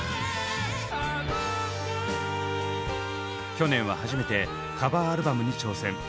去年は初めてカバーアルバムに挑戦。